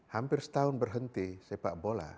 hampir setahun berhenti sepak bola